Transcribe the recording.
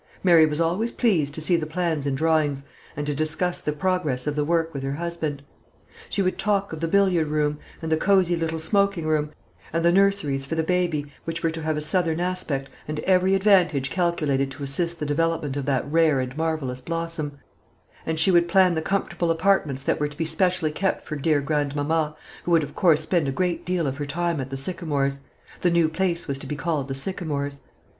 Mary was always pleased to see the plans and drawings, and to discuss the progress of the work with her husband. She would talk of the billiard room, and the cosy little smoking room, and the nurseries for the baby, which were to have a southern aspect, and every advantage calculated to assist the development of that rare and marvellous blossom; and she would plan the comfortable apartments that were to be specially kept for dear grandmamma, who would of course spend a great deal of her time at the Sycamores the new place was to be called the Sycamores.